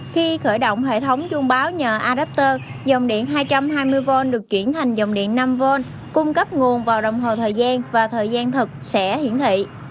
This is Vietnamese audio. khi khởi động hệ thống chuông báo nhờ arapter dòng điện hai trăm hai mươi v được chuyển thành dòng điện năm von cung cấp nguồn vào đồng hồ thời gian và thời gian thật sẽ hiển thị